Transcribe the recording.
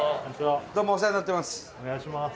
どうも、お世話になってます。